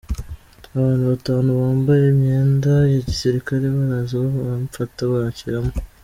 Abantu batanu bambaye imyenda ya Gisirikare baraza baramfata banshyiramo.